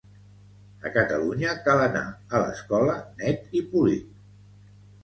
A Catalunya cal anar a l'escola net i polit.